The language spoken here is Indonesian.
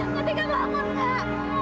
ketiga bangun kak